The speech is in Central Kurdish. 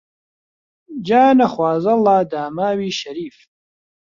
جا نەخوازەڵا داماوی شەریف